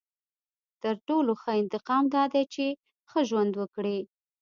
• تر ټولو ښه انتقام دا دی چې ښه ژوند وکړې.